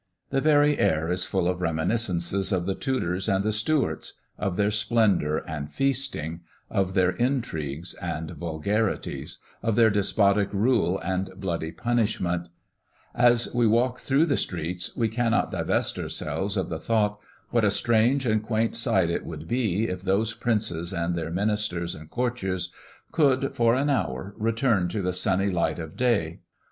The very air is full of reminiscences of the Tudors and the Stuarts of their splendour and feasting of their intrigues and vulgarities of their despotic rule and bloody punishments; and as we walk through the streets, we cannot divest ourselves of the thought, what a strange and quaint sight it would be, if those princes, and their ministers and courtiers, could, for an hour, return to the sunny light of day!